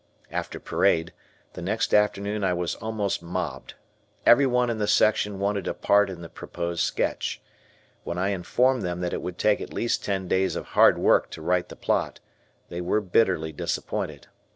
After parade, the next afternoon I was almost mobbed. Everyone in the section wanted a part in the proposed sketch. When I informed them that it would take at least ten days of hard work to write the plot, they were bitterly disappointed.